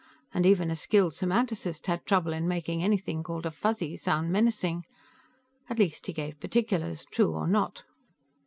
And even a skilled semanticist had trouble in making anything called a Fuzzy sound menacing. At least he gave particulars, true or not.